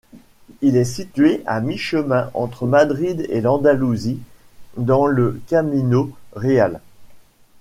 Il est situé à mi-chemin entre Madrid et l'Andalousie, dans le Camino Real.